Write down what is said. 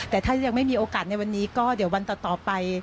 แต่ถ้ายังไม่มีโอกาสในวันนี้ก็เดี๋ยววันต่อไป